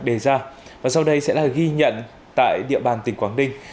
đề ra và sau đây sẽ là ghi nhận tại địa bàn tỉnh quảng ninh